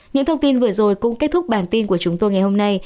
những thông tin vừa rồi cũng kết thúc bản tin của chúng tôi ngày hôm nay